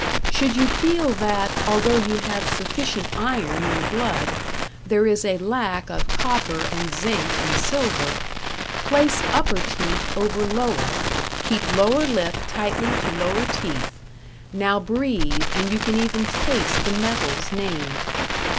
Should you feel that, although you have sufficient iron in the blood, there is a lack of copper and zinc and silver, place upper teeth over lower, keep lower lip tightly to lower teeth, now breathe and you can even taste the metals named.